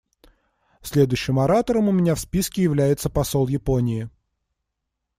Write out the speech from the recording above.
Следующим оратором у меня в списке является посол Японии.